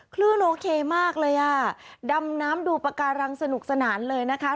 คลื่นโอเคมากเลยอ่ะดำน้ำดูปากการังสนุกสนานเลยนะคะ